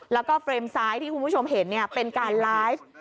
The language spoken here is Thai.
แล้วก็เฟรมซ้ายที่คุณผู้ชมเห็นเป็นการไลฟ์